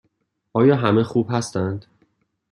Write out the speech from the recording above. آیا همه خوب هستند؟